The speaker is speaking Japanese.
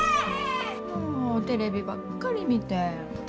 もうテレビばっかり見て。